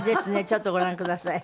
ちょっとご覧ください。